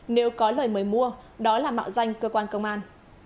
nếu có lời mời mua đó là mạo danh cơ quan công an